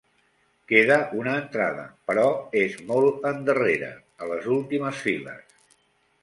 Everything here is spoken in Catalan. Queda una entrada, però és molt endarrere, a les últimes files.